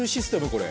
これ。